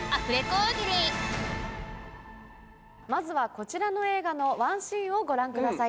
大喜利まずはこちらの映画のワンシーンをご覧ください。